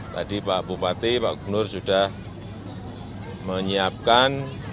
tadi pak bupati pak gubernur sudah menyiapkan